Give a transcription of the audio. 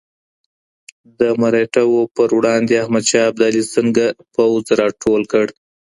د مرهټه وو پر وړاندې احمد شاه ابدالي څنګه پوځ راټول کړ؟